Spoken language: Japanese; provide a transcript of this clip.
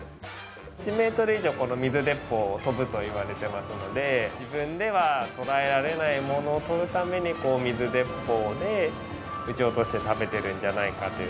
１メートル以上この水鉄砲飛ぶと言われてますので自分では捕らえられないものを取るために水鉄砲で撃ち落として食べてるんじゃないかという。